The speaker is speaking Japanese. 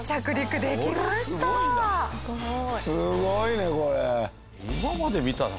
すごいねこれ。